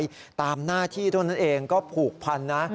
ตามหน้าที่เท่านั้นเองก็ผูกพันนะ